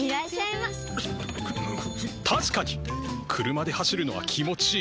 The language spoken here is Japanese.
車で走るのは気持ちいい。